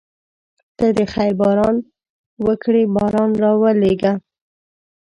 ته د خیر باران وکړې باران راولېږه.